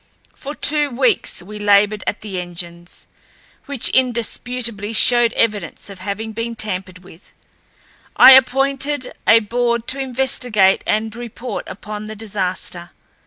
For two weeks we labored at the engines, which indisputably showed evidence of having been tampered with. I appointed a board to investigate and report upon the disaster.